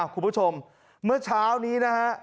คุณผู้ชมเมื่อเช้านี้นะฮะ